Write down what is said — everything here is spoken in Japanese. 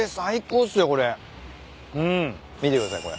見てくださいこれ。